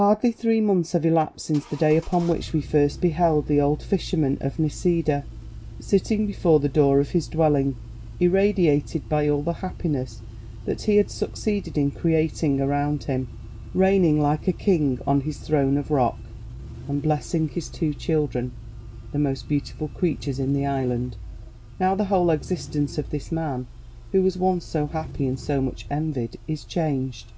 Hardly three months have elapsed since the day upon which we first beheld the old fisherman of Nisida sitting before the door of his dwelling, irradiated by all the happiness that he had succeeded in creating around him, reigning like a king, on his throne of rock, and blessing his two children, the most beautiful creatures in the island. Now the whole existence of this man, who was once so happy and so much envied, is changed.